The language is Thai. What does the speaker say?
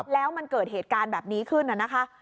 แล้วมันเกิดเหตุการณ์แบบนี้ขึ้นน่ะนะคะ